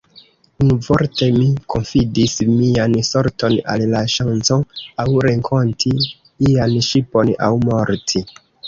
Unuvorte, mi konfidis mian sorton al la ŝanco; aŭ renkonti ian ŝipon aŭ morti.